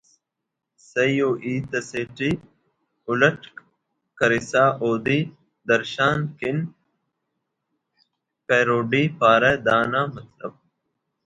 سہی ءُ ہیت اسے الٹ کرسا اودے درشان کننگ ءِ پیروڈی پارہ دا نا مطلب